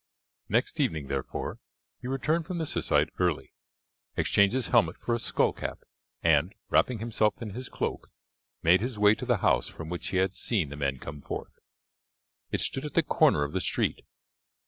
Next evening, therefore, he returned from the Syssite early, exchanged his helmet for a skullcap, and, wrapping himself in his cloak, made his way to the house from which he had seen the men come forth. It stood at the corner of the street.